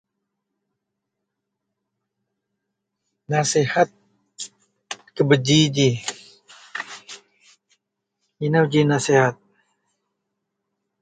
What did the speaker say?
Nasihat kebeji ji, inou ji nasihat